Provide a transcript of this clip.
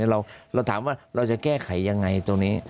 เราถามว่าเราจะแก้ไขยังไงตรงนี้